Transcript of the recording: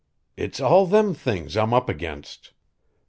"It's all them things I'm up against."